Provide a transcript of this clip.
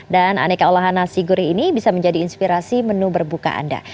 dan aneka olahan nasi gurih ini bisa menjadi inspirasi menu berbuka anda